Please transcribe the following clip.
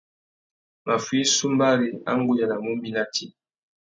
Maffuï sumbari, a nʼgudjanamú mi nà tsi.